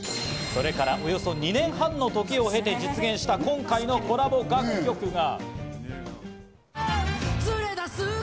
それから、およそ２年半の時を経て実現した今回のコラボ楽曲が。